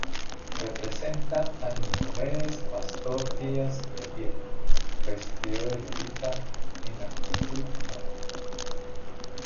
Representa a Nicomedes Pastor Díaz de pie, vestido de levita, en actitud noble.